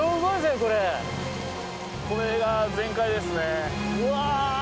これが全開ですね。